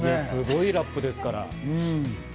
すごいラップですから。